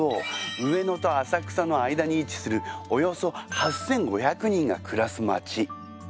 上野と浅草の間に位置するおよそ８，５００人が暮らす町。